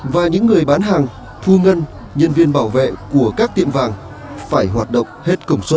và những người bán hàng thu ngân nhân viên bảo vệ của các tiệm vàng phải hoạt động hết công suất